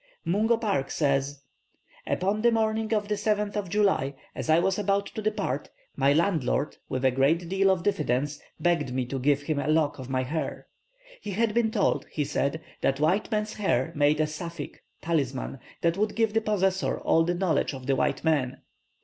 Mungo Park says, "Upon the morning of the 7th of July, as I was about to depart, my landlord, with a great deal of diffidence, begged me to give him a lock of my hair. He had been told, he said, that white men's hair made a saphic (talisman) that would give the possessor all the knowledge of the white man.